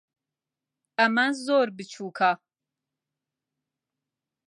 ئەمە زۆر بچووکە.